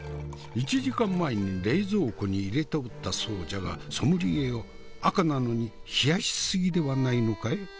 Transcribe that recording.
１時間前に冷蔵庫に入れておったそうじゃがソムリエよ赤なのに冷やし過ぎではないのかえ？